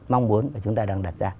mong muốn chúng ta đang đặt ra